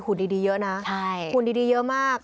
ดีเยอะนะหุ่นดีเยอะมาก